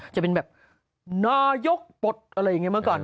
จะเป็นแบบนายกปลดอะไรอย่างนี้เมื่อก่อน